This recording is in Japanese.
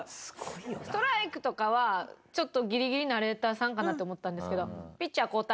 「ストライク」とかはちょっとギリギリナレーターさんかなと思ったんですけど。